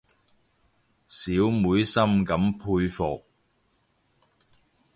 小妹深感佩服